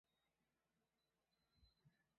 国家主义反对自由主义及国际主义。